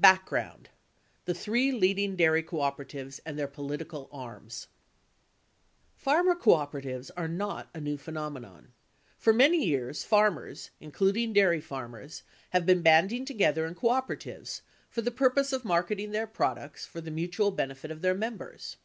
BACKGROUND— THE THREE LEADING DAIRY CO OPERATIVES AND THEIR POLITICAL ARMS Farmer cooperatives are not a new phenomenon. For many years farmers, including dairy farmers, have been banding together in cooperatives for the purpose of marketing their products for the mu tual benefit of their members.